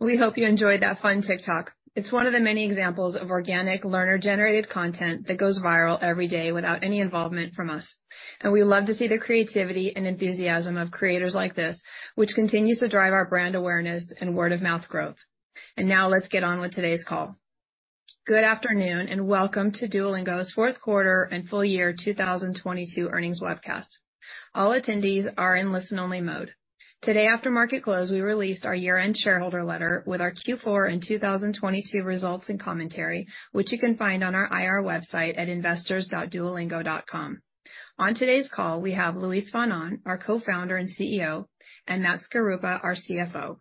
We hope you enjoyed that fun TikTok. It's one of the many examples of organic learner-generated content that goes viral every day without any involvement from us. We love to see the creativity and enthusiasm of creators like this, which continues to drive our brand awareness and word of mouth growth. Now let's get on with today's call. Good afternoon, and welcome to Duolingo's fourth quarter and full year 2022 earnings webcast. All attendees are in listen-only mode. Today, after market close, we released our year-end shareholder letter with our Q4 in 2022 results and commentary, which you can find on our IR website at investors.duolingo.com. On today's call, we have Luis von Ahn, our co-founder and CEO, and Matt Skaruppa, our CFO.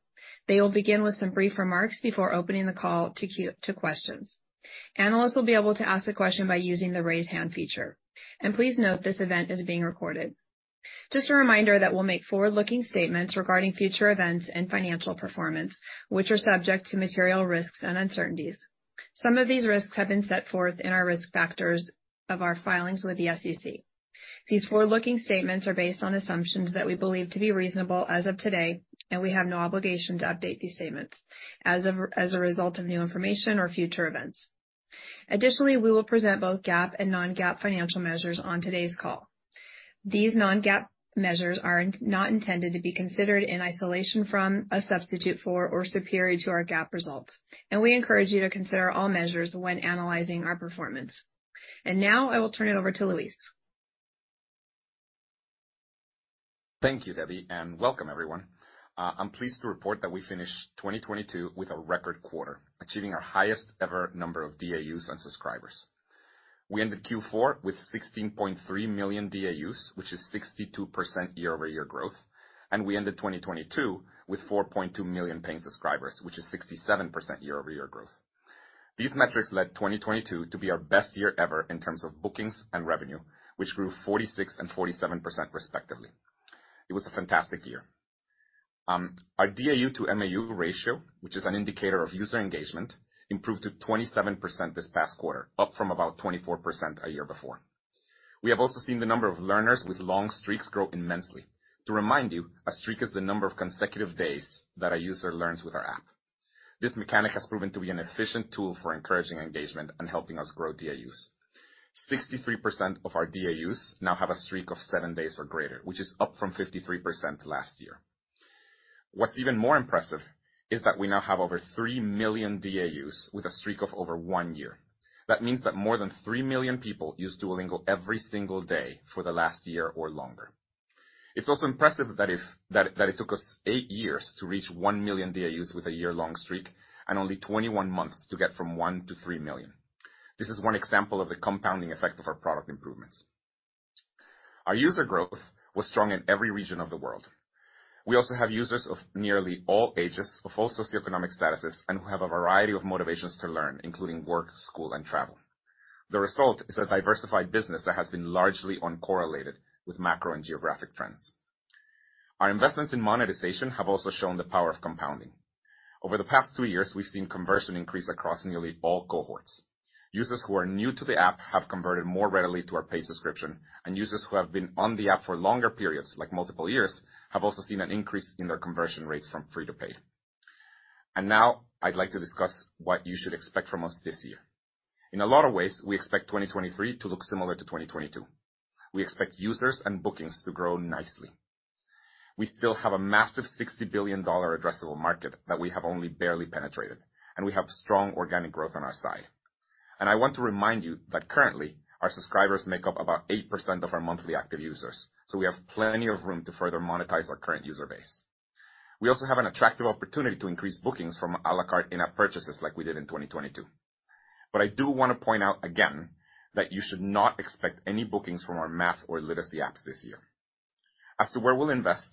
They will begin with some brief remarks before opening the call to questions. Analysts will be able to ask the question by using the Raise Hand feature. And please note this event is being recorded. Just a reminder that we'll make forward-looking statements regarding future events and financial performance, which are subject to material risks and uncertainties. Some of these risks have been set forth in our risk factors of our filings with the SEC. These forward-looking statements are based on assumptions that we believe to be reasonable as of today, and we have no obligation to update these statements as a result of new information or future events. Additionally, we will present both GAAP and non-GAAP financial measures on today's call. These non-GAAP measures are not intended to be considered in isolation from, a substitute for, or superior to our GAAP results, and we encourage you to consider all measures when analyzing our performance. Now I will turn it over to Luis. Thank you, Debbie. Welcome everyone. I'm pleased to report that we finished 2022 with a record quarter, achieving our highest ever number of DAUs and subscribers. We ended Q4 with 16.3 million DAUs, which is 62% year-over-year growth. We ended 2022 with 4.2 million paying subscribers, which is 67% year-over-year growth. These metrics led 2022 to be our best year ever in terms of bookings and revenue, which grew 46% and 47% respectively. It was a fantastic year. Our DAU to MAU ratio, which is an indicator of user engagement, improved to 27% this past quarter, up from about 24% a year before. We have also seen the number of learners with long streaks grow immensely. To remind you, a streak is the number of consecutive days that a user learns with our app. This mechanic has proven to be an efficient tool for encouraging engagement and helping us grow DAUs. 63% of our DAUs now have a streak of 7 days or greater, which is up from 53% last year. What's even more impressive is that we now have over 3 million DAUs with a streak of over one year. That means that more than 3 million people use Duolingo every single day for the last year or longer. It's also impressive that it took us eight years to reach 1 million DAUs with a year-long streak and only 21 months to get from 1 to 3 million. This is 1 example of the compounding effect of our product improvements. Our user growth was strong in every region of the world. We also have users of nearly all ages, of all socioeconomic statuses, and who have a variety of motivations to learn, including work, school, and travel. The result is a diversified business that has been largely uncorrelated with macro and geographic trends. Our investments in monetization have also shown the power of compounding. Over the past three years, we've seen conversion increase across nearly all cohorts. Users who are new to the app have converted more readily to our paid subscription, and users who have been on the app for longer periods, like multiple years, have also seen an increase in their conversion rates from free to paid. Now I'd like to discuss what you should expect from us this year. In a lot of ways, we expect 2023 to look similar to 2022. We expect users and bookings to grow nicely. We still have a massive $60 billion addressable market that we have only barely penetrated, and we have strong organic growth on our side. I want to remind you that currently our subscribers make up about 8% of our monthly active users, so we have plenty of room to further monetize our current user base. We also have an attractive opportunity to increase bookings from à la carte in-app purchases like we did in 2022. I do point out again that you should not expect any bookings from our math or literacy apps this year. As to where we'll invest,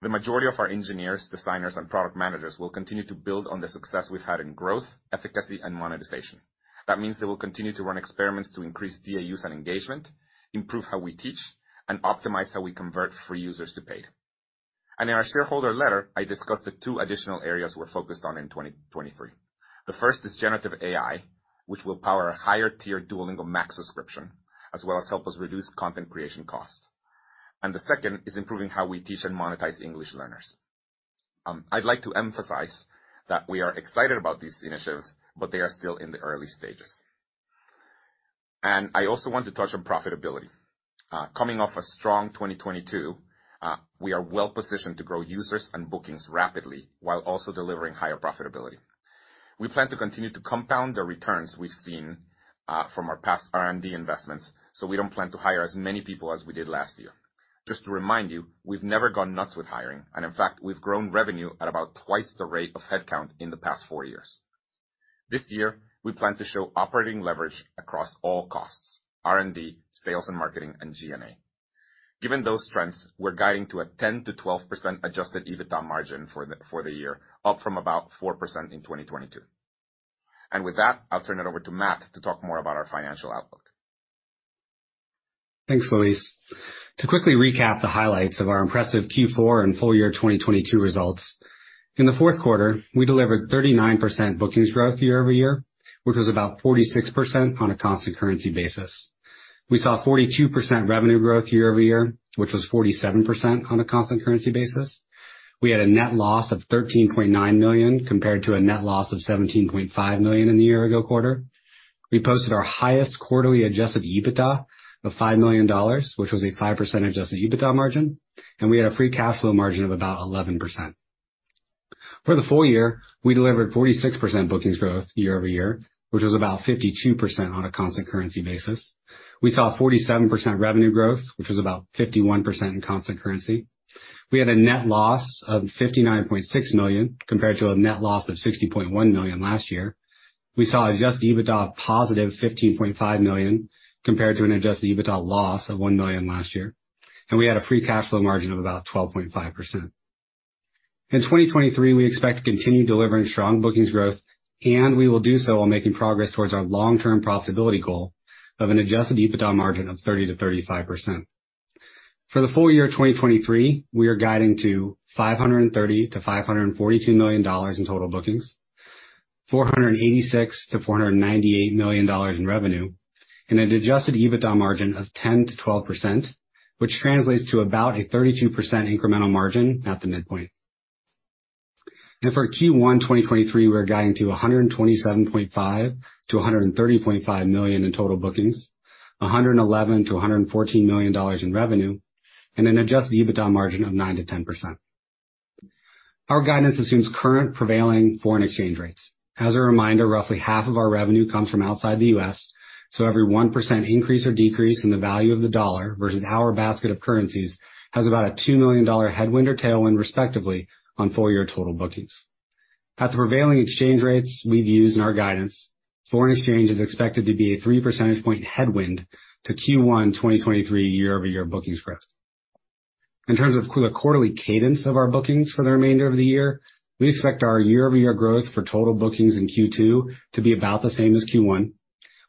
the majority of our engineers, designers, and product managers will continue to build on the success we've had in growth, efficacy, and monetization. That means they will continue to run experiments to increase DAUs and engagement, improve how we teach, and optimize how we convert free users to paid. In our shareholder letter, I discussed the two additional areas we're focused on in 2023. The first is generative AI, which will power a higher tier Duolingo Max subscription, as well as help us reduce content creation costs. The second is improving how we teach and monetize English learners. I'd like to emphasize that we are excited about these initiatives, but they are still in the early stages. I also want to touch on profitability. Coming off a strong 2022, we are well positioned to grow users and bookings rapidly while also delivering higher profitability. We plan to continue to compound the returns we've seen from our past R&D investments. We don't plan to hire as many people as we did last year. Just to remind you, we've never gone nuts with hiring, in fact, we've grown revenue at about twice the rate of head count in the past 4 years. This year, we plan to show operating leverage across all costs, R&D, sales and marketing, and G&A. Given those trends, we're guiding to a 10%-12% adjusted EBITDA margin for the year, up from about 4% in 2022. With that, I'll turn it over to Matt to talk more about our financial outlook. Thanks, Luis. To quickly recap the highlights of our impressive Q4 and full year 2022 results, in the fourth quarter, we delivered 39% bookings growth year-over-year. Which was about 46% on a constant currency basis. We saw 42% revenue growth year-over-year, which was 47% on a constant currency basis. We had a net loss of $13.9 million compared to a net loss of $17.5 million in the year ago quarter. We posted our highest quarterly adjusted EBITDA of $5 million, which was a 5% adjusted EBITDA margin, and we had a free cash flow margin of about 11%. For the full year, we delivered 46% bookings growth year-over-year, which was about 52% on a constant currency basis. We saw 47% revenue growth, which was about 51% in constant currency. We had a net loss of $59.6 million compared to a net loss of $60.1 million last year. We saw adjusted EBITDA positive $15.5 million compared to an adjusted EBITDA loss of $1 million last year. We had a free cash flow margin of about 12.5%. In 2023, we expect to continue delivering strong bookings growth. We will do so while making progress towards our long-term profitability goal of an adjusted EBITDA margin of 30%-35%. For the full year of 2023, we are guiding to $530 million-$542 million in total bookings, $486 million-$498 million in revenue, and an adjusted EBITDA margin of 10%-12%, which translates to about a 32% incremental margin at the midpoint. For Q1 2023, we're guiding to $127.5 million to $130.5 million in total bookings, $111 million to $114 million in revenue, and an adjusted EBITDA margin of 9%-10%. Our guidance assumes current prevailing foreign exchange rates. As a reminder, roughly half of our revenue comes from outside the U.S., every 1% increase or decrease in the value of the dollar versus our basket of currencies has about a $2 million headwind or tailwind, respectively, on full year total bookings. At the prevailing exchange rates we've used in our guidance, foreign exchange is expected to be a 3 percentage point headwind to Q1 2023 year-over-year bookings growth. In terms of quarterly cadence of our bookings for the remainder of the year, we expect our year-over-year growth for total bookings in Q2 to be about the same as Q1.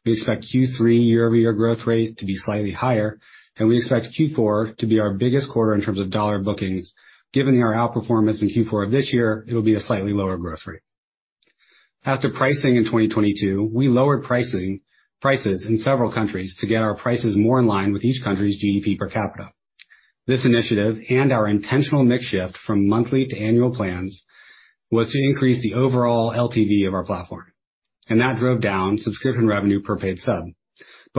We expect Q3 year-over-year growth rate to be slightly higher, and we expect Q4 to be our biggest quarter in terms of dollar bookings. Given our outperformance in Q4 of this year, it'll be a slightly lower growth rate. As to pricing in 2022, we lowered prices in several countries to get our prices more in line with each country's GDP per capita. This initiative and our intentional mix shift from monthly to annual plans was to increase the overall LTV of our platform, and that drove down subscription revenue per paid sub.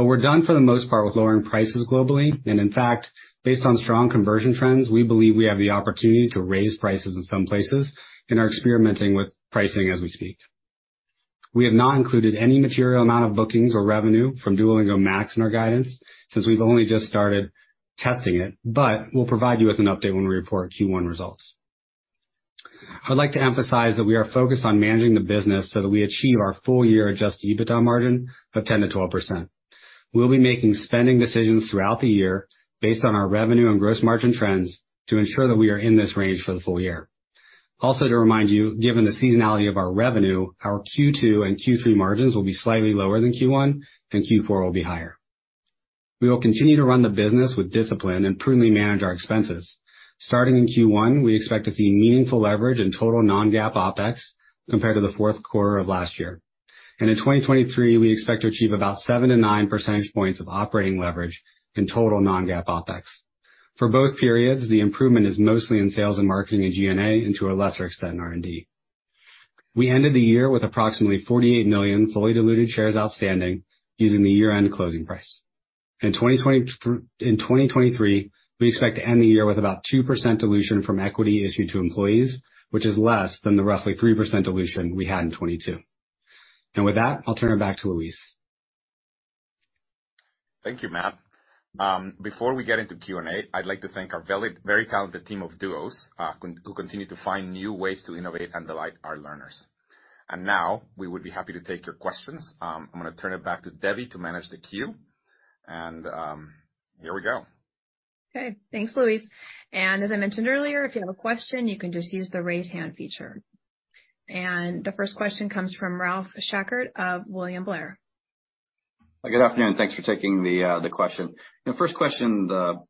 We're done for the most part with lowering prices globally, and in fact, based on strong conversion trends, we believe we have the opportunity to raise prices in some places and are experimenting with pricing as we speak. We have not included any material amount of bookings or revenue from Duolingo Max in our guidance, since we've only just started testing it. We'll provide you with an update when we report Q1 results. I'd like to emphasize that we are focused on managing the business so that we achieve our full year adjusted EBITDA margin of 10%-12%. We'll be making spending decisions throughout the year based on our revenue and gross margin trends to ensure that we are in this range for the full year. To remind you, given the seasonality of our revenue, our Q2 and Q3 margins will be slightly lower than Q1, and Q4 will be higher. We will continue to run the business with discipline and prudently manage our expenses. Starting in Q1, we expect to see meaningful leverage in total non-GAAP Opex compared to the fourth quarter of last year. In 2023, we expect to achieve about 7 to 9 percentage points of operating leverage in total non-GAAP Opex. For both periods, the improvement is mostly in sales and marketing and G&A and to a lesser extent in R&D. We ended the year with approximately 48 million fully diluted shares outstanding using the year-end closing price. In 2023, we expect to end the year with about 2% dilution from equity issued to employees, which is less than the roughly 3% dilution we had in 2022. With that, I'll turn it back to Luis. Thank you, Matt. Before we get into Q&A, I'd like to thank our very talented team of Duos, who continue to find new ways to innovate and delight our learners. Now we would be happy to take your questions. I'm going to turn it back to Debbie to manage the queue and, here we go. Okay. Thanks, Luis. As I mentioned earlier, if you have a question, you can just use the Raise Hand feature. The first question comes from Ralph Schackart of William Blair. Good afternoon, thanks for taking the question. The first question, the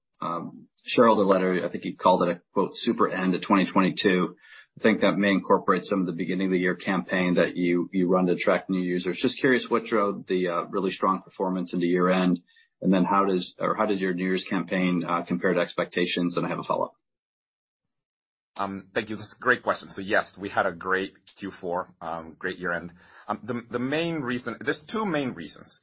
shareholder letter, I think you called it a quote, "Super end to 2022." I think that may incorporate some of the beginning of the year campaign that you run to attract new users. Just curious what drove the really strong performance into year-end, and then how does your New Year's campaign compare to expectations, and I have a follow-up. Thank you. That's a great question. Yes, we had a great Q4, great year-end. The main reason. There's two main reasons.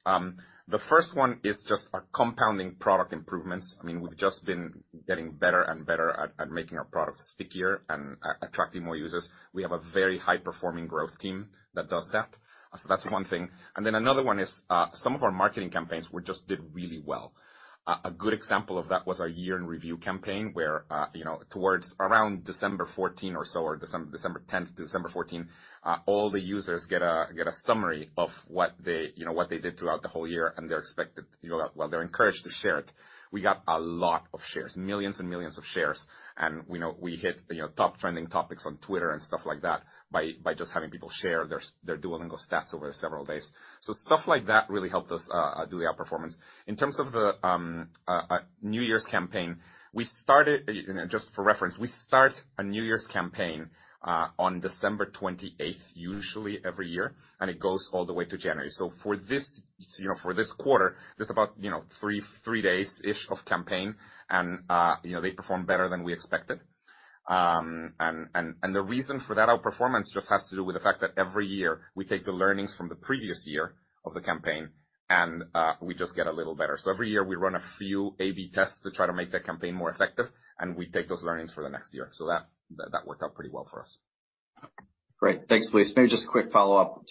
The first one is just our compounding product improvements. I mean, we've just been getting better and better at making our products stickier and attracting more users. We have a very high-performing growth team that does that. That's one thing. Then another one is some of our marketing campaigns were just did really well. A good example of that was our year-end review campaign where, you know, towards around 14 December or so, or 10 December to 14 December. All the users get a summary of what they, you know, what they did throughout the whole year, and they're expected, you know, well, they're encouraged to share it. We got a lot of shares, millions and millions of shares, we know we hit, you know, top trending topics on Twitter and stuff like that by just having people share their Duolingo stats over several days. Stuff like that really helped us do the outperformance. In terms of the New Year's campaign, you know, just for reference, we start a New Year's campaign on 28 December usually every year, it goes all the way to January. For this, you know, for this quarter, there's about, you know, three days-ish of campaign, you know, they perform better than we expected. And the reason for that outperformance just has to do with the fact that every year we take the learnings from the previous year of the campaign and we just get a little better. Every year we run a few A/B tests to try to make that campaign more effective, and we take those learnings for the next year. That worked out pretty well for us. Great. Thanks, Luis. Maybe just a quick follow-up.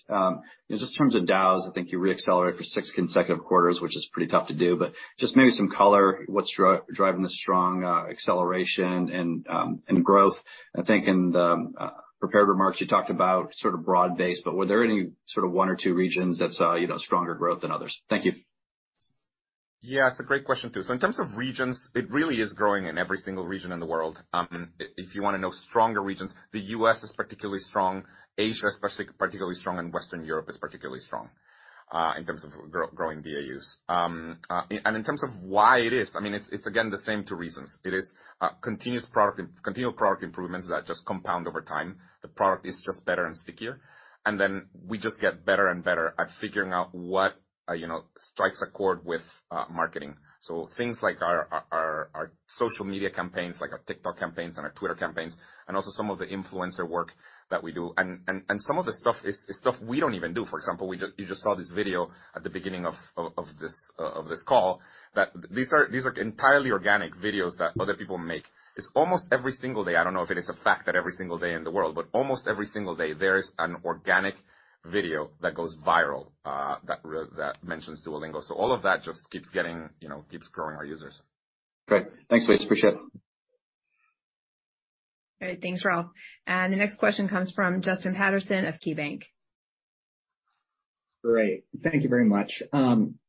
Just in terms of DAUs, I think you re-accelerated for six consecutive quarters, which is pretty tough to do, but just maybe some color, what's driving the strong acceleration and growth? I think in the prepared remarks, you talked about sort of broad-based, but were there any sort of one or two regions that saw, you know, stronger growth than others? Thank you. Yeah, it's a great question, too. In terms of regions, it really is growing in every single region in the world. If you wanna know stronger regions, the US is particularly strong, Asia is particularly strong, and Western Europe is particularly strong, in terms of growing DAUs. In terms of why it is, I mean, it's again, the same two reasons. It is continual product improvements that just compound over time. The product is just better and stickier. We just get better and better at figuring out what, you know, strikes a chord with marketing. Things like our, our social media campaigns, like our TikTok campaigns and our Twitter campaigns, and also some of the influencer work that we do. Some of the stuff is stuff we don't even do. For example, you just saw this video at the beginning of this call, that these are entirely organic videos that other people make. It's almost every single day. I don't know if it is a fact that every single day in the world, but almost every single day, there is an organic video that goes viral, that mentions Duolingo. All of that just keeps getting, you know, keeps growing our users. Great. Thanks, Luis. Appreciate it. All right. Thanks, Ralph. The next question comes from Justin Patterson of KeyBanc. Great. Thank you very much.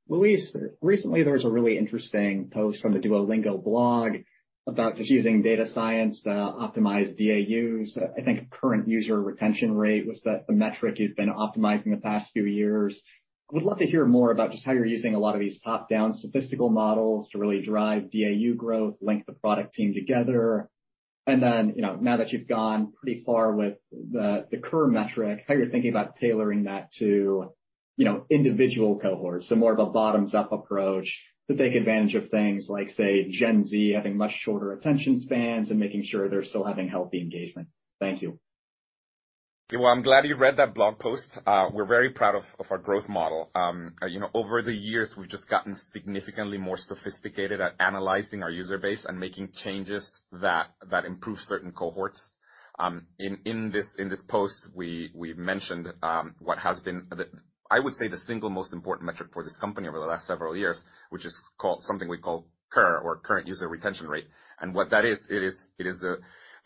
Luis, recently, there was a really interesting post from the Duolingo blog about just using data science to optimize DAUs. I think Current User Retention rate, was that the metric you've been optimizing the past few years? I would love to hear more about just how you're using a lot of these top-down statistical models to really drive DAU growth, link the product team together. You know, now that you've gone pretty far with the CUR metric, how you're thinking about tailoring that to, you know, individual cohorts. More of a bottoms-up approach to take advantage of things like, say, Gen Z having much shorter attention spans and making sure they're still having healthy engagement. Thank you. Well, I'm glad you read that blog post. We're very proud of our growth model. You know, over the years, we've just gotten significantly more sophisticated at analyzing our user base and making changes that improve certain cohorts. In this post, we mentioned what has been the... I would say the single most important metric for this company over the last several years, something we call CUR or Current User Retention rate. What that is, it is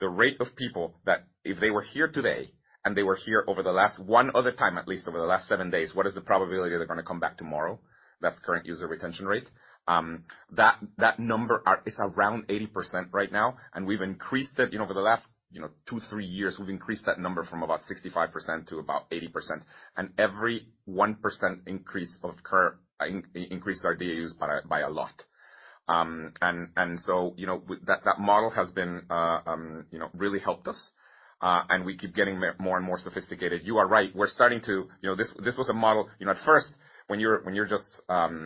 the rate of people that if they were here today and they were here over the last one other time, at least over the last seven days, what is the probability they're going to come back tomorrow? That's Current User Retention rate. That number is around 80% right now, and we've increased it. You know, over the last, you know, two, three years, we've increased that number from about 65% to about 80%. Every 1% increase of CUR increased our DAUs by a lot. You know, with that model has been, you know, really helped us, and we keep getting more and more sophisticated. You are right. We're starting to. You know, this was a model, you know, at first, when you're just,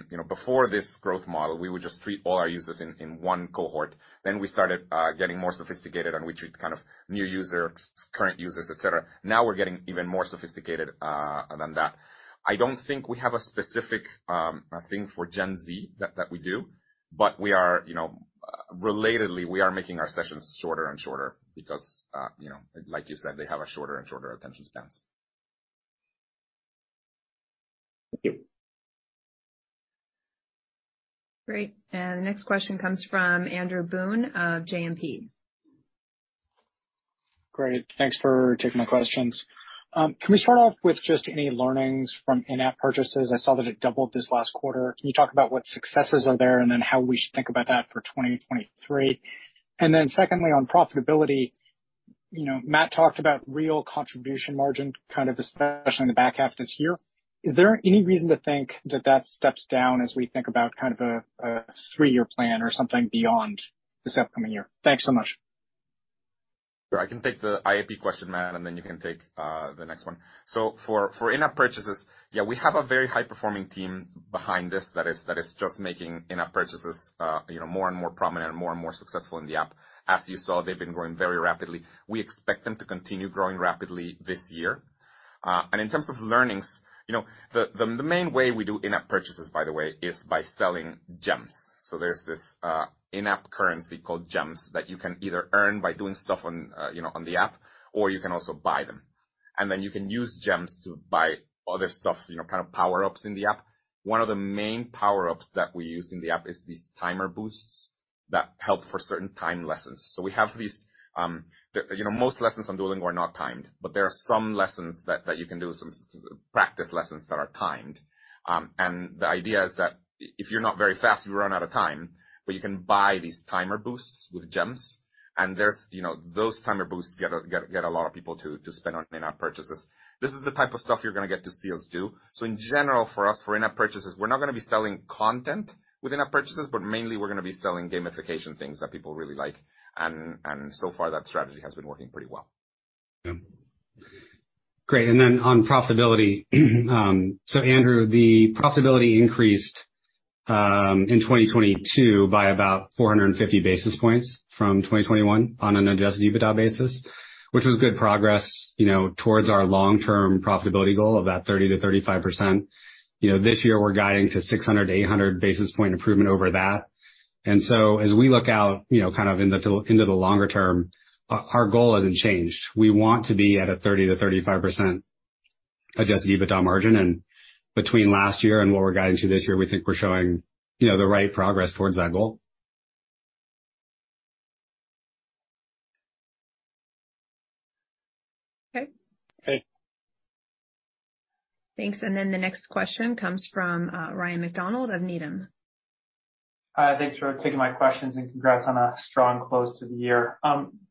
you know, before this growth model, we would just treat all our users in 1 cohort. We started getting more sophisticated and we treat kind of new users, current users, et cetera. We're getting even more sophisticated than that. I don't think we have a specific thing for Gen Z that we do, but we are, you know, relatedly, we are making our sessions shorter and shorter because, you know, like you said, they have shorter and shorter attention spans. Thank you. Next question comes from Andrew Boone of JMP. Great. Thanks for taking my questions. Can we start off with just any learnings from in-app purchases? I saw that it doubled this last quarter. Can you talk about what successes are there and then how we should think about that for 2023? Secondly, on profitability, you know, Matt talked about real contribution margin, especially in the back half this year. Is there any reason to think that that steps down as we think about a 3-year plan or something beyond this upcoming year? Thanks so much. Sure. I can take the IAP question, Matt, and then you can take the next one. For in-app purchases, yeah, we have a very high-performing team behind this that is just making in-app purchases, you know, more and more prominent and more and more successful in the app. As you saw, they've been growing very rapidly. We expect them to continue growing rapidly this year. In terms of learnings, you know, the main way we do in-app purchases, by the way, is by selling gems. There's this in-app currency called gems that you can either earn by doing stuff on, you know, on the app, or you can also buy them. Then you can use gems to buy other stuff, you know, kind of power-ups in the app. One of the main power-ups that we use in the app is these timer boosts that help for certain timed lessons. We have these, you know, most lessons on Duolingo are not timed, but there are some lessons that you can do, some practice lessons that are timed. The idea is that if you're not very fast, you run out of time, but you can buy these Timer Boosts with gems. There's, you know, those Timer Boosts get a lot of people to spend on in-app purchases. This is the type of stuff you're going to get to see us do. In general, for us, for in-app purchases, we're not going to be selling content with in-app purchases, but mainly we're going to be selling gamification, things that people really like. So far, that strategy has been working pretty well. Yeah. Great. On profitability, Andrew, the profitability increased in 2022 by about 450-basis points from 2021 on an adjusted EBITDA basis, which was good progress, you know, towards our long-term profitability goal of that 30%-35%. You know, this year we're guiding to 600 to 800-basis point improvement over that. As we look out, you know, kind of into the longer term, our goal hasn't changed. We want to be at a 30% to 35% adjusted EBITDA margin. Between last year and what we're guiding to this year, we think we're showing, you know, the right progress towards that goal. Okay. Okay. Thanks. Then the next question comes from Ryan McDonald of Needham. Thanks for taking my questions, and congrats on a strong close to the year.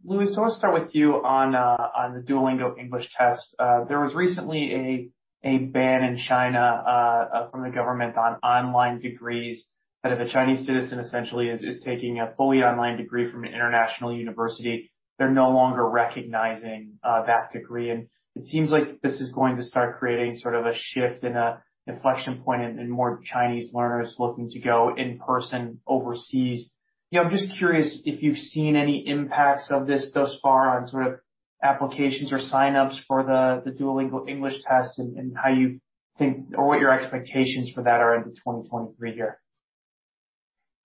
Luis, I want to start with you on the Duolingo English Test. There was recently a ban in China from the government on online degrees, that if a Chinese citizen essentially is taking a fully online degree from an international university, they're no longer recognizing that degree. It seems like this is going to start creating sort of a shift and a inflection point in more Chinese learners looking to go in person overseas. You know, I'm just curious if you've seen any impacts of this thus far on sort of applications or sign-ups for the Duolingo English Test and how you think or what your expectations for that are into 2023 here.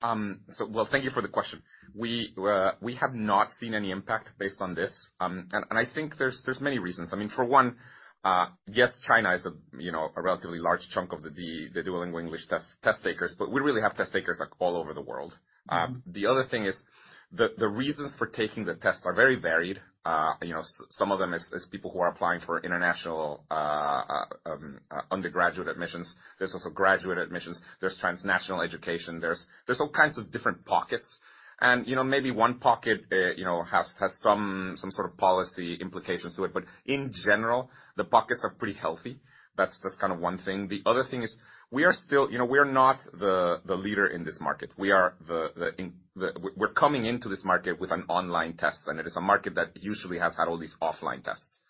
Well, thank you for the question. We have not seen any impact based on this. I mean, for one, yes, China is a, you know, a relatively large chunk of the Duolingo English Test test takers, but we really have test takers, like, all over the world. The other thing is the reasons for taking the test are very varied. You know, some of them is people who are applying for international undergraduate admissions. There's also graduate admissions, there's transnational education, there's all kinds of different pockets. You know, maybe one pocket, you know, has some sort of policy implications to it. In general, the pockets are pretty healthy. That's kind of one thing. The other thing is we are still. You know, we are not the leader in this market. We are coming into this market with an online test, and it is a market that usually has had all these offline tests.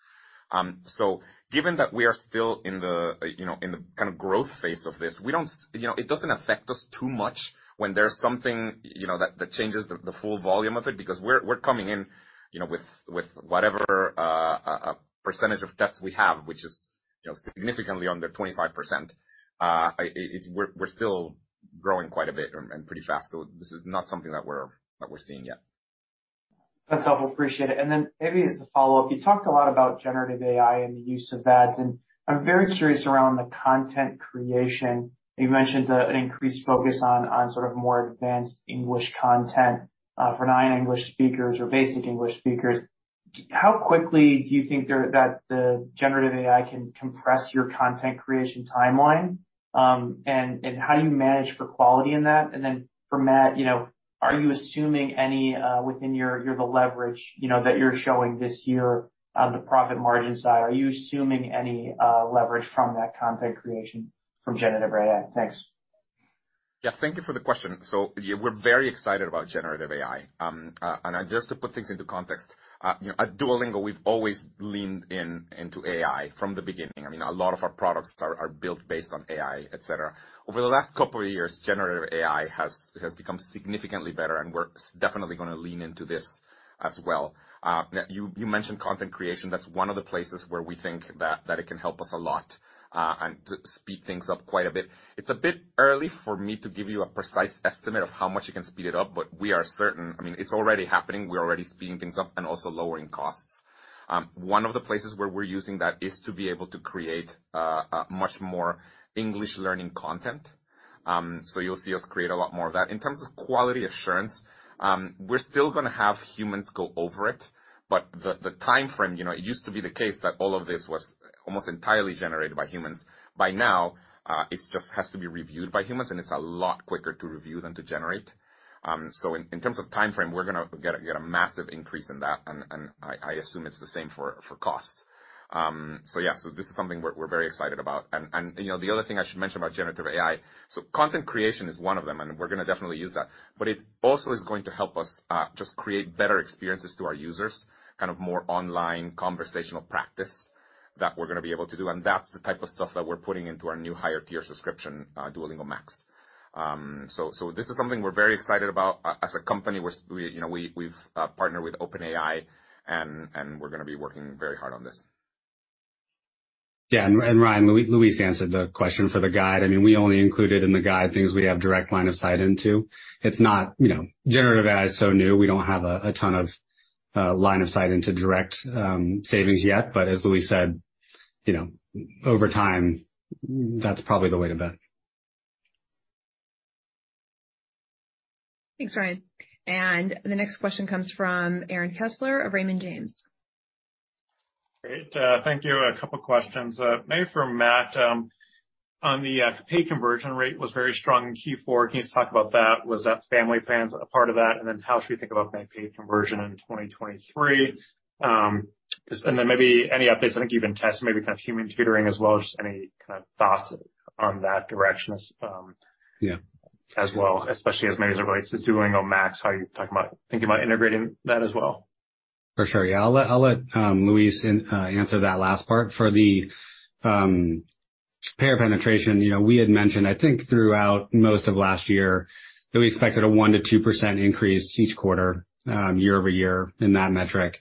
So, given that we are still in the, you know, in the kind of growth phase of this, You know, it doesn't affect us too much when there's something, you know, that changes the full volume of it because we're coming in, you know, with whatever percentage of tests we have, which is, you know, significantly under 25%. We're, we're still growing quite a bit and pretty fast, so this is not something that we're, that we're seeing yet. That's helpful, appreciate it. Maybe as a follow-up, you talked a lot about generative AI and the use of that, and I'm very curious around the content creation. You mentioned an increased focus on sort of more advanced English content for non-English speakers or basic English speakers. How quickly do you think that the generative AI can compress your content creation timeline? How do you manage for quality in that? For Matt, you know, are you assuming any within your the leverage, you know, that you're showing this year on the profit margin side, are you assuming any leverage from that content creation from generative AI? Thanks. Thank you for the question. We're very excited about generative AI. And just to put things into context, you know, at Duolingo, we've always leaned into AI from the beginning. I mean, a lot of our products are built based on AI, et cetera. Over the last couple of years, generative AI has become significantly better, and we're definitely going to lean into this as well. You mentioned content creation. That's one of the places where we think that it can help us a lot and to speed things up quite a bit. It's a bit early for me to give you a precise estimate of how much it can speed it up, but we are certain, I mean, it's already happening. We're already speeding things up and also lowering costs. One of the places where we're using that is to be able to create much more English learning content. You'll see us create a lot more of that. In terms of quality assurance, we're still going to have humans go over it, but the timeframe, you know, it used to be the case that all of this was almost entirely generated by humans. By now, it just has to be reviewed by humans, and it's a lot quicker to review than to generate. In terms of timeframe, we're going to get a massive increase in that and I assume it's the same for costs. Yeah. This is something we're very excited about. You know, the other thing I should mention about generative AI, so content creation is one of them, and we're going to definitely use that. It also is going to help us just create better experiences to our users, kind of more online conversational practice that we're going to be able to do. That's the type of stuff that we're putting into our new higher tier subscription, Duolingo Max. This is something we're very excited about. As a company, you know, we've partnered with OpenAI and we're going to be working very hard on this. Yeah. Ryan, Luis answered the question for the guide. I mean, we only included in the guide things we have direct line of sight into. It's not. You know, generative AI is so new. We don't have a ton of line of sight into direct savings yet. As Luis said, you know, over time, that's probably the way to bet. Thanks, Ryan. The next question comes from Aaron Kessler of Raymond James. Great. Thank you. A couple questions. Maybe for Matt. On the paid conversion rate was very strong in Q4. Can you just talk about that? Was that Family Plan a part of that? How should we think about net paid conversion in 2023? Maybe any updates, I think you've been testing maybe kind of human tutoring as well. Just any kind of thoughts on that direction as. Yeah. As well, especially as maybe as it relates to Duolingo Max, how you're thinking about integrating that as well. For sure, yeah. I'll let Luis answer that last part. For the payer penetration, you know, we had mentioned, I think throughout most of last year that we expected a 1%-2% increase each quarter, year-over-year in that metric.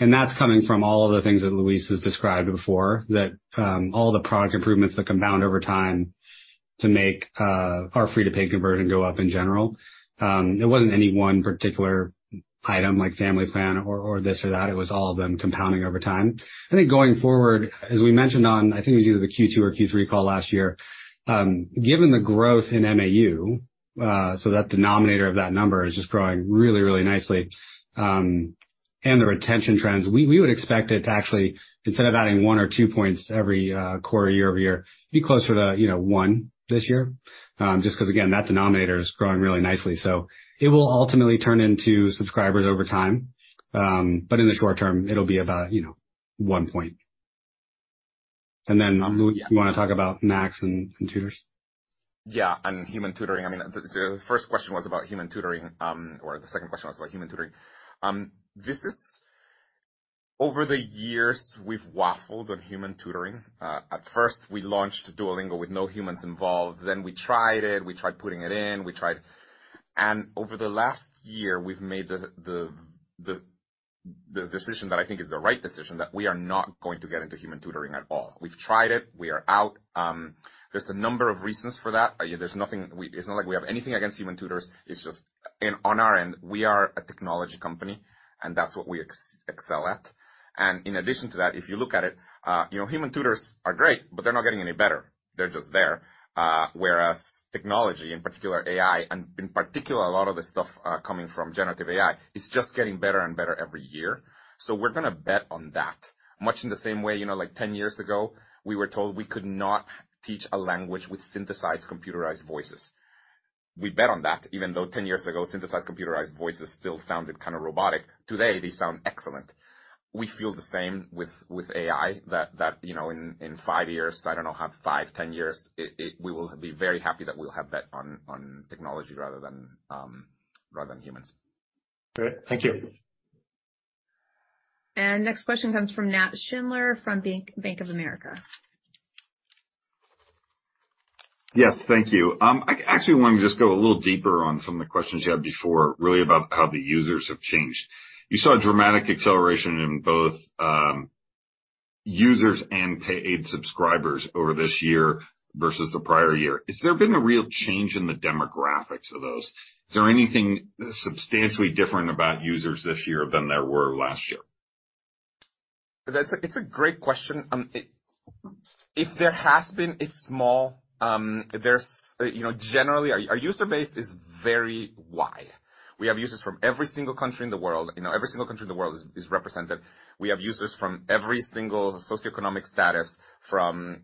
That's coming from all of the things that Luis has described before, that all the product improvements that compound over time to make our free-to-paid conversion go up in general. It wasn't any one particular item like Family Plan or this or that. It was all of them compounding over time. I think going forward, as we mentioned on, I think it was either the Q2 or Q3 call last year, given the growth in MAU, so that denominator of that number is just growing really, really nicely, and the retention trends, we would expect it to actually, instead of adding one or two points every quarter year-over-year, be closer to, you know, one this year, just 'cause again, that denominator is growing really nicely. It will ultimately turn into subscribers over time. In the short term, it'll be about, you know, one point. Then, Luis, you wanna talk about Max and tutors? Yeah, human tutoring. I mean, the first question was about human tutoring, or the second question was about human tutoring. Over the years, we've waffled on human tutoring. At first, we launched Duolingo with no humans involved. We tried it, we tried putting it in. Over the last year, we've made the decision that I think is the right decision, that we are not going to get into human tutoring at all. We've tried it. We are out. There's a number of reasons for that. It's not like we have anything against human tutors. It's just on our end, we are a technology company, and that's what we excel at. In addition to that, if you look at it, you know, human tutors are great, but they're not getting any better. They're just there. Whereas technology, in particular AI, and in particular a lot of the stuff coming from generative AI, is just getting better and better every year. We're going to bet on that, much in the same way, you know, like 10 years ago, we were told we could not teach a language with synthesized computerized voices. We bet on that, even though 10 years ago, synthesized computerized voices still sounded kind of robotic. Today, they sound excellent. We feel the same with AI that, you know, in five years, I don't know, have five, 10 years, we will be very happy that we'll have bet on technology rather than rather than humans. Great. Thank you. Next question comes from Nat Schindler from Bank of America. Yes. Thank you. I actually wanted to just go a little deeper on some of the questions you had before, really about how the users have changed. You saw a dramatic acceleration in both users and paid subscribers over this year versus the prior year. Has there been a real change in the demographics of those? Is there anything substantially different about users this year than there were last year? It's a great question. If there has been, it's small. There's, you know, generally, our user base is very wide. We have users from every single country in the world. You know, every single country in the world is represented. We have users from every single socioeconomic status, from,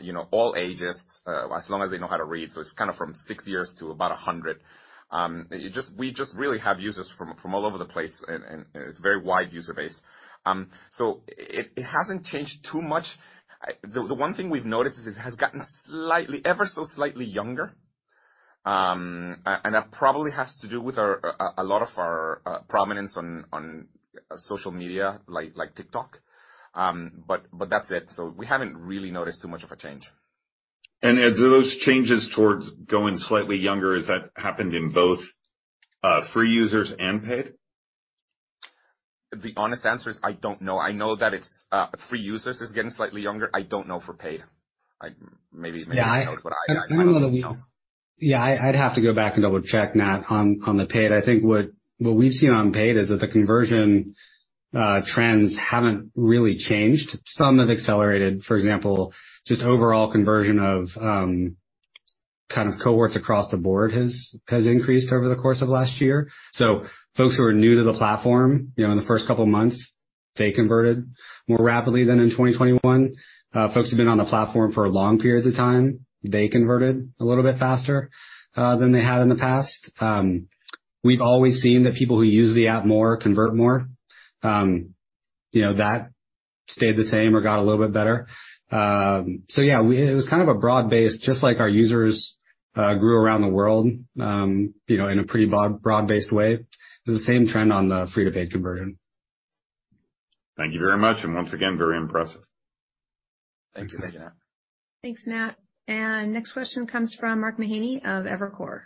you know, all ages, as long as they know how to read. It's kind of from six years to about 100. We just really have users from all over the place, and it's a very wide user base. It hasn't changed too much. The one thing we've noticed is it has gotten slightly, ever so slightly younger. And that probably has to do with a lot of our prominence on social media, like TikTok. But that's it. We haven't really noticed too much of a change. As those changes towards going slightly younger, has that happened in both, free users and paid? The honest answer is, I don't know. I know that it's free users is getting slightly younger. I don't know for paid. Maybe Pete knows, but I don't know. Yeah, I don't know that we. Yeah, I'd have to go back and double-check, Nat, on the paid. I think what we've seen on paid is that the conversion trends haven't really changed. Some have accelerated. For example, just overall conversion of kind of cohorts across the board has increased over the course of last year. Folks who are new to the platform, you know, in the first couple of months, they converted more rapidly than in 2021. Folks who've been on the platform for long periods of time, they converted a little bit faster than they had in the past. We've always seen that people who use the app more convert more. You know, that stayed the same or got a little bit better. Yeah, it was kind of a broad base, just like our users, grew around the world, you know, in a pretty broad-based way. It was the same trend on the free-to-paid conversion. Thank you very much, and once again, very impressive. Thank you. Thanks, Nat. Thanks, Nat. Next question comes from Mark Mahaney of Evercore.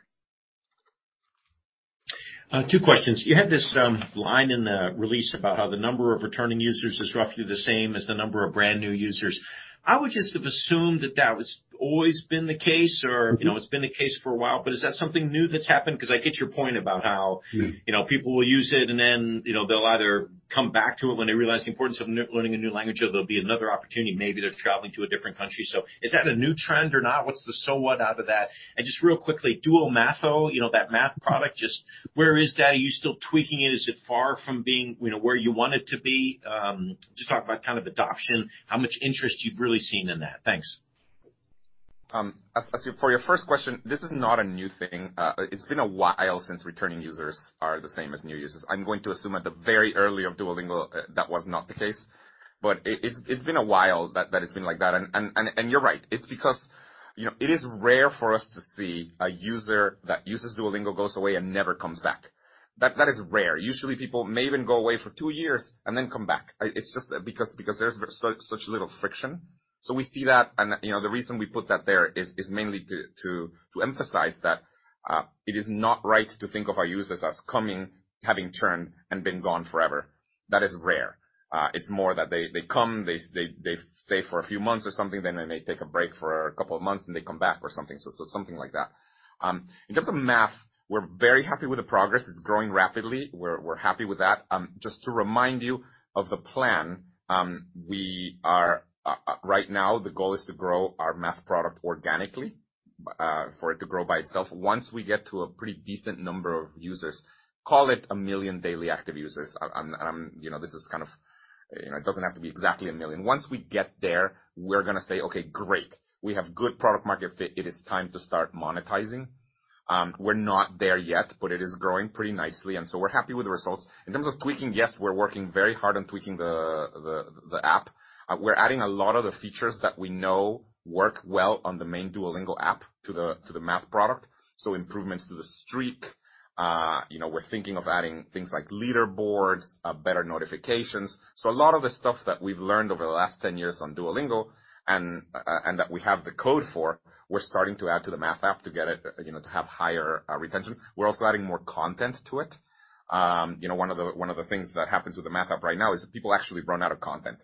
two questions. You had this line in the release about how the number of returning users is roughly the same as the number of brand-new users. I would just have assumed that that has always been the case or, you know, it's been the case for a while, but is that something new that's happened? Cause I get your point about. Mm. You know, people will use it, and then, you know, they'll either come back to it when they realize the importance of learning a new language or there'll be another opportunity. Maybe they're traveling to a different country. Is that a new trend or not? What's the so what out of that? Just real quickly, Duolingo Math, you know, that math product, just where is that? Are you still tweaking it? Is it far from being, you know, where you want it to be? Just talk about kind of adoption, how much interest you've really seen in that. Thanks. As for your first question, this is not a new thing. It's been a while since returning users are the same as new users. I'm going to assume at the very early of Duolingo, that was not the case, but it's been a while that it's been like that. You're right. It's because, you know, it is rare for us to see a user that uses Duolingo goes away and never comes back. That is rare. Usually, people may even go away for two years and then come back. It's just because there's such little friction. We see that and, you know, the reason we put that there is mainly to emphasize that it is not right to think of our users as coming, having churned, and been gone forever. That is rare. It's more that they come, they stay for a few months or something, then they may take a break for a couple of months, and they come back or something. Something like that. In terms of Math, we're very happy with the progress. It's growing rapidly. We're happy with that. Just to remind you of the plan, we are. Right now, the goal is to grow our Math product organically, for it to grow by itself. Once we get to a pretty decent number of users, call it 1 million daily active users. I'm, you know, this is kind of, you know, it doesn't have to be exactly 1 million. Once we get there, we're going to say, "Okay, great. We have good product market fit. It is time to start monetizing. We're not there yet, but it is growing pretty nicely, and so we're happy with the results. In terms of tweaking, yes, we're working very hard on tweaking the app. We're adding a lot of the features that we know work well on the main Duolingo app to the Math product. Improvements to the streak. you know, we're thinking of adding things like leaderboards, better notifications. A lot of the stuff that we've learned over the last 10 years on Duolingo and that we have the code for, we're starting to add to the Math app to get it, you know, to have higher retention. We're also adding more content to it. You know, one of the things that happens with the Duolingo Math app right now is that people actually run out of content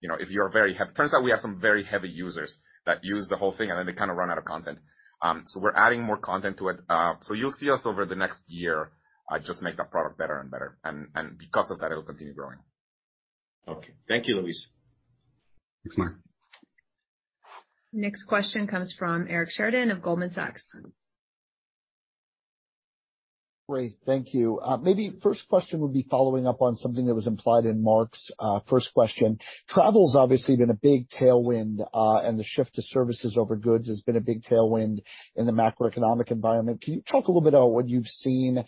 because, you know, turns out we have some very heavy users that use the whole thing, and then they kind of run out of content. We're adding more content to it. You'll see us over the next year, just make that product better and better. Because of that, it'll continue growing. Okay. Thank you, Luis. Thanks, Mark. Next question comes from Eric Sheridan of Goldman Sachs. Great. Thank you. Maybe first question would be following up on something that was implied in Mark's first question. Travel's obviously been a big tailwind, and the shift to services over goods has been a big tailwind in the macroeconomic environment. Can you talk a little bit about what you've seen,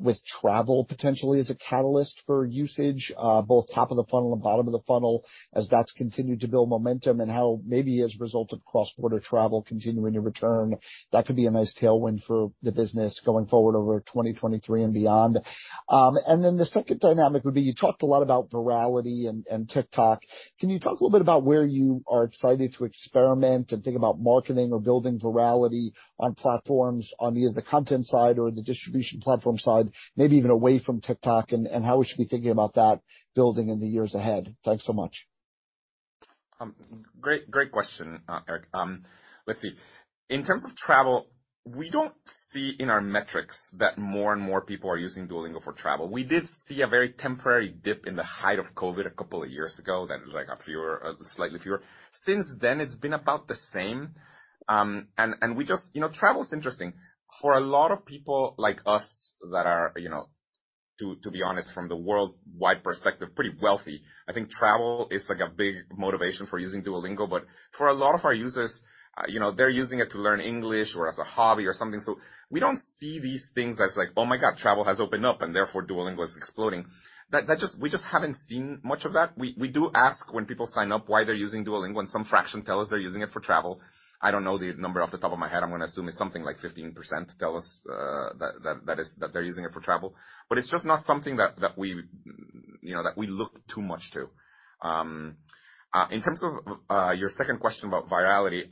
with travel potentially as a catalyst for usage, both top of the funnel and bottom of the funnel, as that's continued to build momentum, and how maybe as a result of cross-border travel continuing to return, that could be a nice tailwind for the business going forward over 2023 and beyond. Then the second dynamic would be you talked a lot about virality and TikTok. Can you talk a little bit about where you are excited to experiment and think about marketing or building virality on platforms on either the content side or the distribution platform side, maybe even away from TikTok, and how we should be thinking about that building in the years ahead? Thanks so much. great question, Eric. Let's see. In terms of travel, we don't see in our metrics that more and more people are using Duolingo for travel. We did see a very temporary dip in the height of COVID 2 years ago. That was like a fewer, slightly fewer. Since then, it's been about the same. You know, travel is interesting. For a lot of people like us that are, you know, to be honest, from the worldwide perspective, pretty wealthy, I think travel is, like, a big motivation for using Duolingo. For a lot of our users, you know, they're using it to learn English or as a hobby or something. We don't see these things as like, "Oh my God, travel has opened up, and therefore Duolingo is exploding." We just haven't seen much of that. We do ask when people sign up why they're using Duolingo, and some fraction tell us they're using it for travel. I don't know the number off the top of my head. I'm going to assume it's something like 15% tell us that they're using it for travel. It's just not something that we, you know, that we look too much to. In terms of your second question about virality,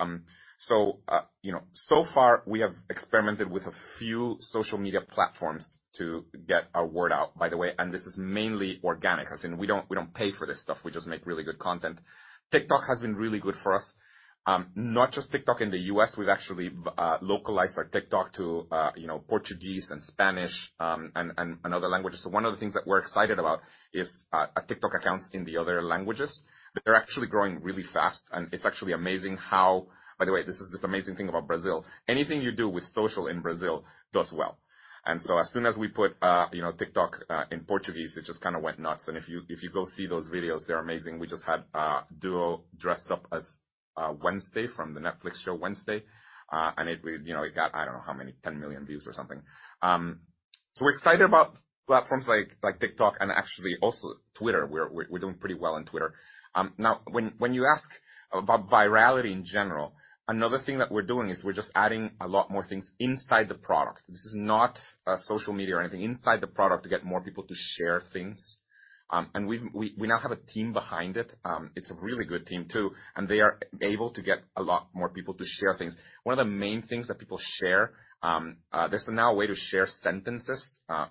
you know, so far we have experimented with a few social media platforms to get our word out, by the way, and this is mainly organic. As in we don't pay for this stuff. We just make really good content. TikTok has been really good for us. Not just TikTok in the U.S. We've actually localized our TikTok to, you know, Portuguese and Spanish and other languages. One of the things that we're excited about is our TikTok accounts in the other languages. They're actually growing really fast, it's actually amazing how. By the way, this amazing thing about Brazil. Anything you do with social in Brazil does well. As soon as we put, you know, TikTok in Portuguese, it just kind of went nuts. If you go see those videos, they're amazing. We just had Duo dressed up as Wednesday from the Netflix show Wednesday, it, you know, it got, I don't know how many, 10 million views or something. We're excited about platforms like TikTok and actually also Twitter. We're doing pretty well on Twitter. Now when you ask about virality in general, another thing that we're doing is we're just adding a lot more things inside the product. This is not social media or anything. Inside the product to get more people to share things. And we now have a team behind it. It's a really good team too, and they are able to get a lot more people to share things. One of the main things that people share, there's now a way to share sentences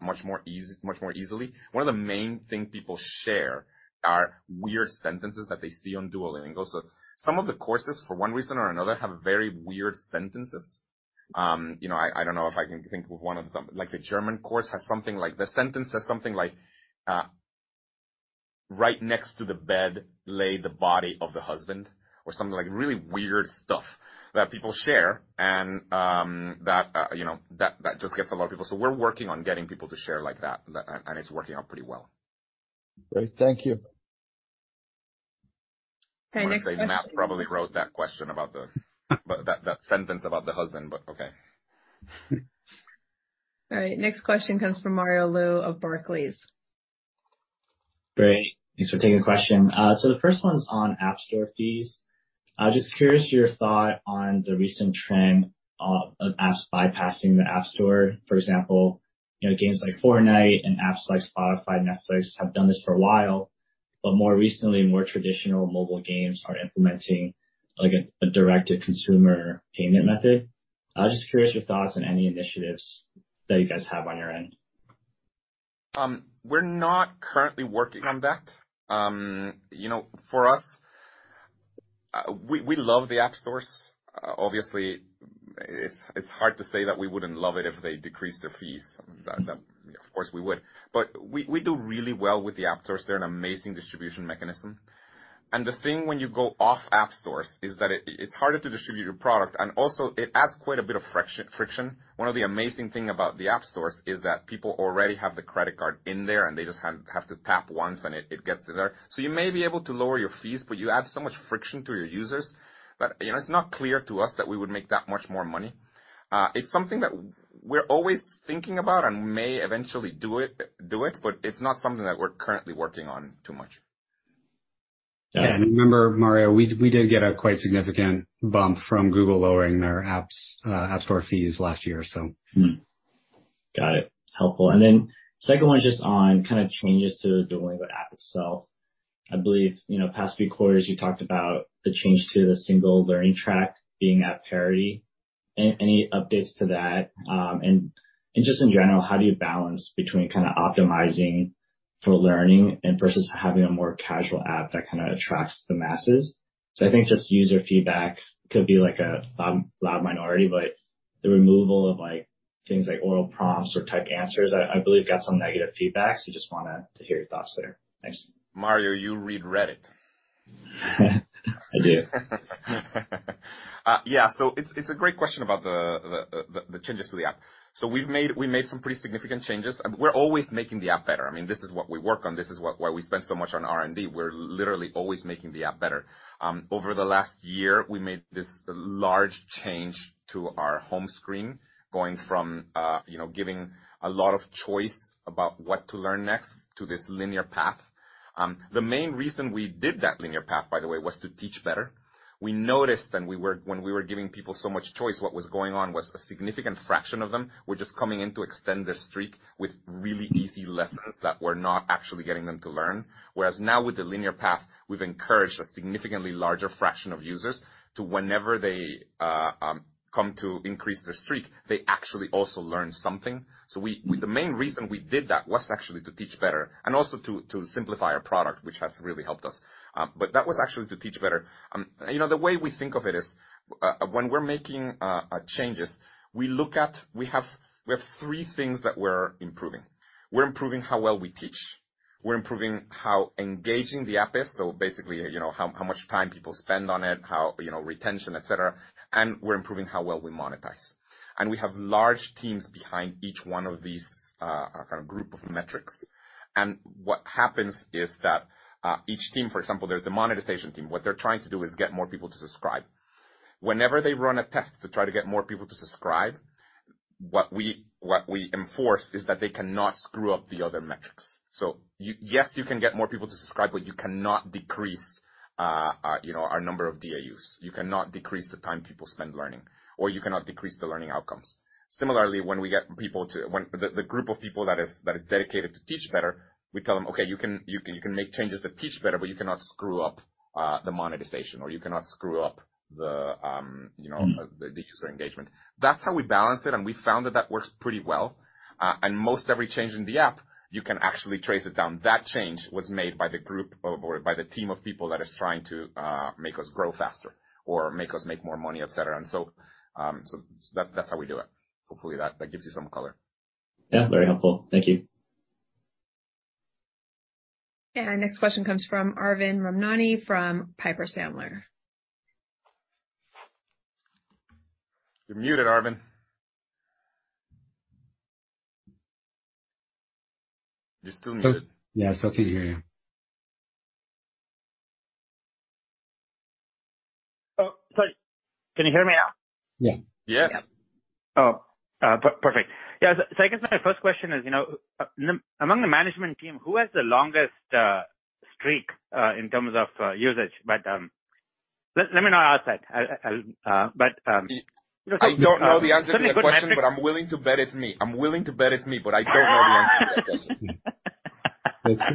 much more easily. One of the main thing people share are weird sentences that they see on Duolingo. Some of the courses, for one reason or another, have very weird sentences. You know, I don't know if I can think of one of them. Like, the German course has something like. The sentence says something like, "Right next to the bed lay the body of the husband," or something like really weird stuff that people share and, that, you know, that just gets a lot of people. We're working on getting people to share like that, and it's working out pretty well. Great. Thank you. All right, next question. I was going to say Matt probably wrote that question about that sentence about the husband, but okay. All right, next question comes from Mario Lu of Barclays. Great. Thanks for taking the question. The first one's on App Store fees. I'm just curious your thought on the recent trend of apps bypassing the App Store. For example, you know, games Fortnite and apps Spotify, Netflix have done this for a while, but more recently, more traditional mobile games are implementing a direct-to-consumer payment method. I'm just curious your thoughts on any initiatives that you guys have on your end. We're not currently working on that. You know, for us, we love the App Stores. Obviously it's hard to say that we wouldn't love it if they decreased their fees. Of course we would. We do really well with the App Stores. They're an amazing distribution mechanism. The thing when you go off App Stores is that it's harder to distribute your product, and also it adds quite a bit of friction. One of the amazing thing about the App Stores is that people already have the credit card in there, and they just have to tap once, and it gets to there. You may be able to lower your fees, but you add so much friction to your users that, you know, it's not clear to us that we would make that much more money. It's something that we're always thinking about and may eventually do it, but it's not something that we're currently working on too much. Yeah. remember, Mario, we did get a quite significant bump from Google lowering their App Store fees last year, so. Mm-hmm. Got it. Helpful. Then second one is just on kind of changes to the Duolingo app itself. I believe, you know, past few quarters you talked about the change to the single learning track being at parity. Any updates to that? And just in general, how do you balance between kind of optimizing for learning and versus having a more casual app that kind of attracts the masses? I think just user feedback could be like a loud minority, but the removal of, like, things like oral prompts or type answers I believe got some negative feedback. Just wanna to hear your thoughts there. Thanks. Mario, you read Reddit. I do. Yeah, it's a great question about the changes to the app. We made some pretty significant changes. I mean, we're always making the app better. I mean, this is what we work on. This is what we spend so much on R&D. We're literally always making the app better. Over the last year, we made this large change to our home screen, going from, you know, giving a lot of choice about what to learn next to this linear path. The main reason we did that linear path, by the way, was to teach better. We noticed when we were giving people so much choice, what was going on was a significant fraction of them were just coming in to extend their streak with really easy lessons that were not actually getting them to learn. Whereas now with the linear path, we've encouraged a significantly larger fraction of users to whenever they come to increase their streak, they actually also learn something. The main reason we did that was actually to teach better and also to simplify our product, which has really helped us. That was actually to teach better. You know, the way we think of it is when we're making changes, we look at... We have three things that we're improving. We're improving how well we teach. We're improving how engaging the app is, so basically, you know, how much time people spend on it, how, you know, retention, et cetera. We're improving how well we monetize. We have large teams behind each one of these kind of group of metrics. What happens is that each team, for example, there's the monetization team. What they're trying to do is get more people to subscribe. Whenever they run a test to try to get more people to subscribe, what we enforce is that they cannot screw up the other metrics. Yes, you can get more people to subscribe, but you cannot decrease, you know, our number of DAUs. You cannot decrease the time people spend learning, or you cannot decrease the learning outcomes. Similarly, when we get people to... The group of people that is dedicated to teach better, we tell them, "Okay, you can make changes that teach better, but you cannot screw up the monetization or you cannot screw up the, you know, the user engagement." That's how we balance it, and we found that works pretty well. Most every change in the app, you can actually trace it down. That change was made by the team of people that is trying to make us grow faster or make us make more money, et cetera. That's how we do it. Hopefully that gives you some color. Yeah, very helpful. Thank you. Our next question comes from Arvind Ramnani from Piper Sandler. You're muted, Arvind. You're still muted. Yeah, still can't hear you. Oh, sorry. Can you hear me now? Yeah. Yes. Yeah. Oh, perfect. Yeah. I guess my first question is, you know, among the management team, who has the longest streak in terms of usage? Let me not ask that. I'll. I don't know the answer to that question, but I'm willing to bet it's me. I'm willing to bet it's me, but I don't know the answer to that question.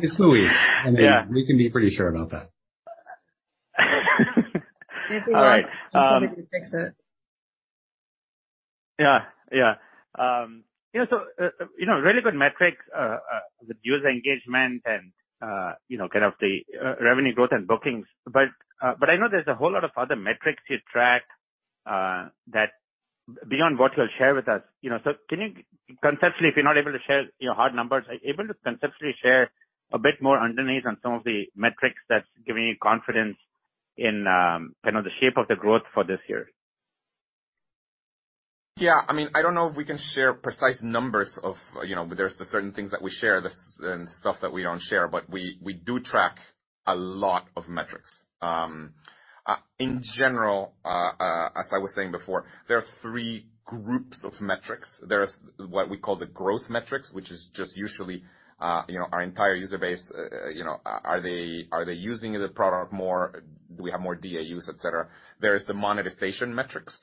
It's Luis. Yeah. I mean, we can be pretty sure about that. Yeah. Yeah. You know, you know, really good metrics with user engagement and, you know, kind of the revenue growth and bookings. I know there's a whole lot of other metrics you track that beyond what you'll share with us, you know. Can you conceptually, if you're not able to share your hard numbers, are you able to conceptually share a bit more underneath on some of the metrics that's giving you confidence in kind of the shape of the growth for this year? Yeah. I mean, I don't know if we can share precise numbers of, you know, there's the certain things that we share this and stuff that we don't share, but we do track a lot of metrics. In general, as I was saying before, there are 3 groups of metrics. There's what we call the growth metrics, which is just usually, you know, our entire user base. You know, are they, are they using the product more? Do we have more DAUs, et cetera. There is the monetization metrics,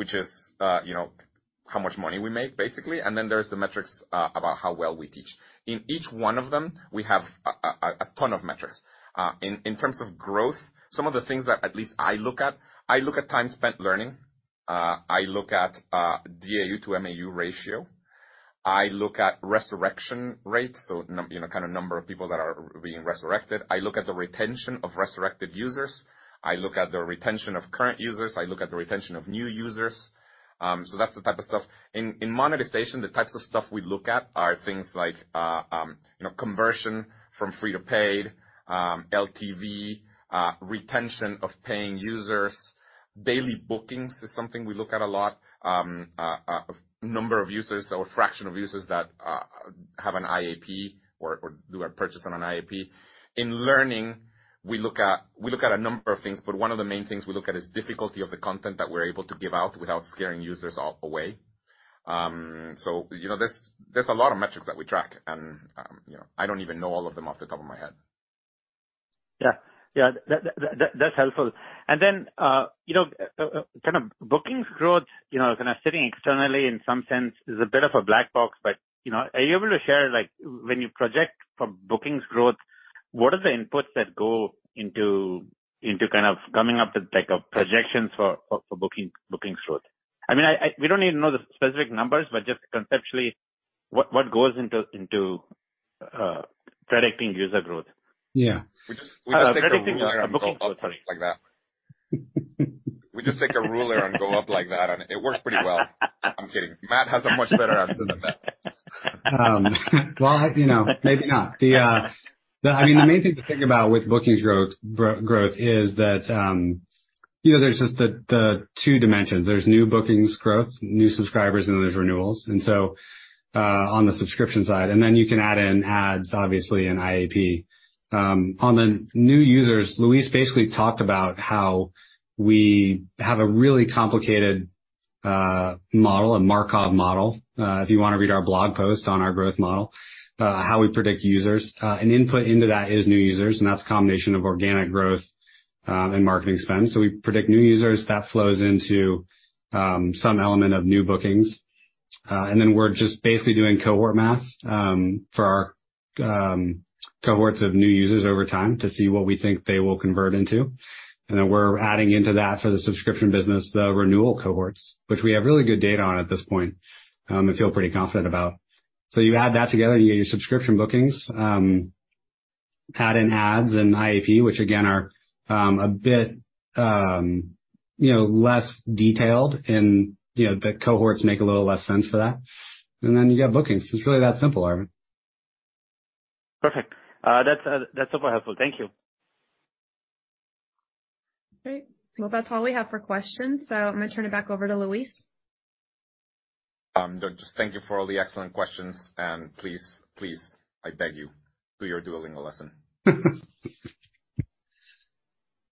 which is, you know, how much money we make, basically. Then there's the metrics, about how well we teach. In each one of them, we have a ton of metrics. In terms of growth, some of the things that at least I look at, I look at time spent learning, I look at DAU to MAU ratio, I look at resurrection rates, so you know, kind of number of people that are being resurrected. I look at the retention of resurrected users. I look at the retention of current users. I look at the retention of new users. That's the type of stuff. In monetization, the types of stuff we look at are things like, you know, conversion from free to paid, LTV, retention of paying users. Daily bookings is something we look at a lot. Number of users or fraction of users that have an IAP or do a purchase on an IAP. In learning, we look at a number of things, but one of the main things we look at is difficulty of the content that we're able to give out without scaring users away. You know, there's a lot of metrics that we track and, you know, I don't even know all of them off the top of my head. Yeah. Yeah. That's helpful. Then, you know, kind of bookings growth, you know, kind of sitting externally in some sense is a bit of a black box, but, you know, are you able to share, like, when you project for bookings growth, what are the inputs that go into kind of coming up with like a projections for bookings growth? I mean, we don't need to know the specific numbers, but just conceptually, what goes into predicting user growth? Yeah. Predicting a booking growth, sorry. Like that. We just take a ruler and go up like that, and it works pretty well. I'm kidding. Matt has a much better answer than that. Well, you know, maybe not. I mean, the main thing to think about with bookings growth is that, you know, there's just the two dimensions. There's new bookings growth, new subscribers, and then there's renewals. On the subscription side. You can add in ads, obviously, and IAP. On the new users, Luis basically talked about how we have a really complicated model, a Markov model, if you want to read our blog post on our growth model, how we predict users. An input into that is new users, and that's a combination of organic growth and marketing spend. We predict new users. That flows into some element of new bookings. We're just basically doing cohort math for our cohorts of new users over time to see what we think they will convert into. We're adding into that for the subscription business, the renewal cohorts, which we have really good data on at this point and feel pretty confident about. You add that together, you get your subscription bookings, add in ads and IAP, which again are a bit, you know, less detailed and, you know, the cohorts make a little less sense for that. You get bookings. It's really that simple, Arvind. Perfect. That's super helpful. Thank you. Great. That's all we have for questions, so I'm going to turn it back over to Luis. Just thank you for all the excellent questions. Please, please, I beg you, do your Duolingo lesson.